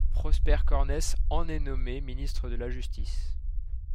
Prosper Cornesse en est nommé Ministre de la Justice.